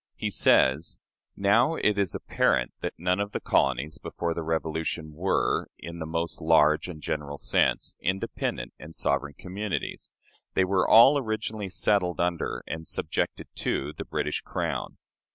He says: "Now, it is apparent that none of the colonies before the Revolution were, in the most large and general sense, independent or sovereign communities. They were all originally settled under and subjected to the British Crown."